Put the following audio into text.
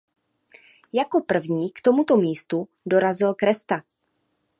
Jako první k tomuto místu dorazil Kresta.